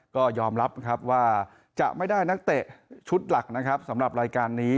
ก็ยอมรับครับว่าจะไม่ได้นักเตะชุดหลักนะครับสำหรับรายการนี้